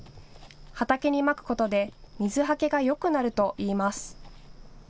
畑にまくことで水はけがよくなるといいます。